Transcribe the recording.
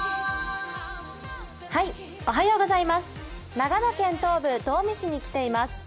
長野県東部、東御市に来ています。